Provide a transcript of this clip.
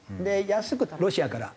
安くロシアから。